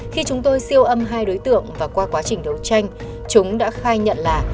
khi chúng tôi siêu âm hai đối tượng và qua quá trình đấu tranh chúng đã khai nhận là